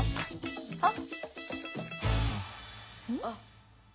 あっ！